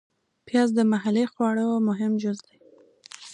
پیاز د محلي خواړو مهم جز دی